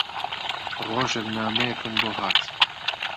ڕۆژێک نامەیەکم بۆ هات